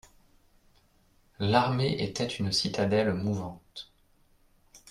L'armée était une citadelle mouvante.